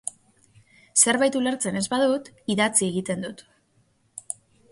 Zerbait ulertzen ez badut, idatzi egiten dut.